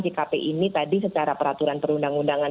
jkp ini tadi secara peraturan perundang undangan